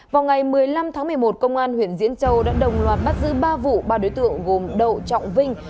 vào ngày một mươi năm tháng một mươi một công an huyện diễn châu đã đồng loạt bắt giữ ba vụ ba đối tượng gồm đậu trọng vinh